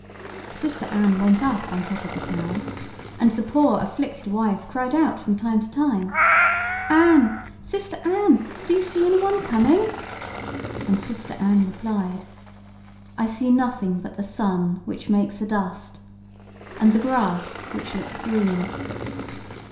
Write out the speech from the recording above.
Sister Anne went up on the top of the tower, and the poor afflicted wife cried out from time to time: "Anne, sister Anne, do you see anyone coming?" And sister Anne replied: "I see nothing but the sun, which makes a dust, and the grass, which looks green."